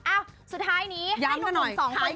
เอ้าสุดท้ายนี้